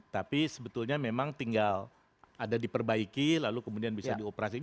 tapi sebetulnya memang tinggal ada diperbaiki lalu kemudian bisa dioperasikan